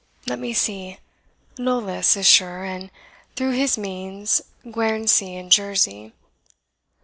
Let me see Knollis is sure, and through his means Guernsey and Jersey.